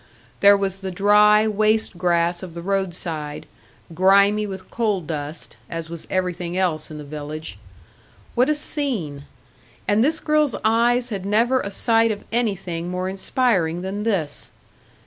There was the dry, waste grass of the road side, grimy with coal dust, as was everything else in the village. What a scene! And this girl's eyes had never a sight of anything more inspiring than this.